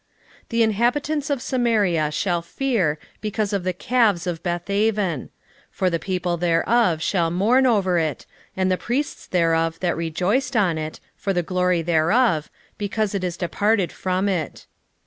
10:5 The inhabitants of Samaria shall fear because of the calves of Bethaven: for the people thereof shall mourn over it, and the priests thereof that rejoiced on it, for the glory thereof, because it is departed from it.